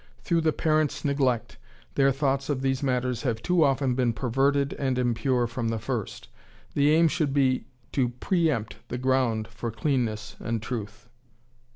Through the parents' neglect their thoughts of these matters have too often been perverted and impure from the first. The aim should be to pre empt the ground for cleanness and truth.